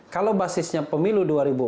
kalau basisnya pemilu dua ribu empat belas